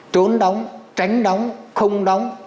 trốn đóng tránh đóng không đóng